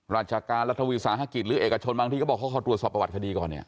ราชการรัฐวิสาหกิจหรือเอกชนบางทีก็บอกเขาขอตรวจสอบประวัติคดีก่อนเนี่ย